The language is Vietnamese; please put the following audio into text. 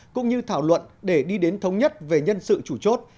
cũng như thảo luận để đi đến thống nhất về nhân sự chủ chốt